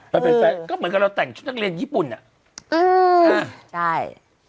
ไปเป็นแฟนก็เหมือนกับเราแต่งชุดนักเรียนญี่ปุ่นอ่ะอืมใช่